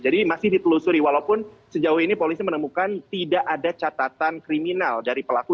jadi masih ditelusuri walaupun sejauh ini polisi menemukan tidak ada catatan kriminal dari pelaku